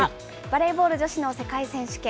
バレーボール女子の世界選手権。